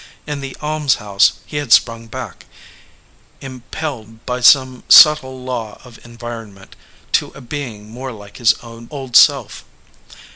In the almshouse he had sprung back, impelled by some subtle law of environment, to a being more like his old self.